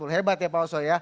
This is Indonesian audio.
hebat ya pak oso ya